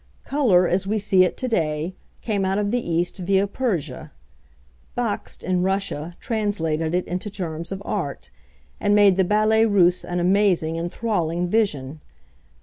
Colour, as we see it to day, came out of the East via Persia. Bakst in Russia translated it into terms of art, and made the Ballet Russe an amazing, enthralling vision!